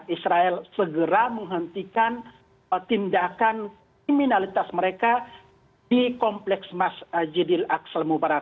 israel segera menghentikan tindakan kriminalitas mereka di kompleks mas jedil aksel mubarak